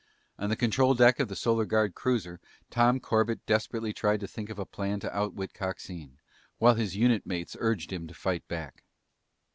On the control deck of the Solar Guard cruiser, Tom Corbett desperately tried to think of a plan to outwit Coxine, while his unit mates urged him to fight back.